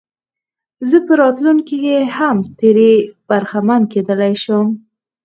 زه په راتلونکي کې هم ترې برخمن کېدلای شم.